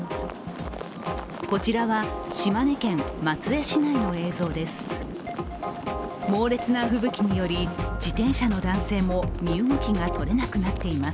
こちらは島根県松江市内の映像です。